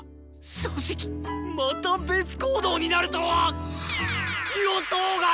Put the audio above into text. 正直また別行動になるとは予想外！